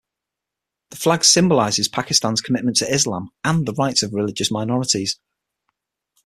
The flag symbolizes Pakistan's commitment to Islam and the rights of religious minorities.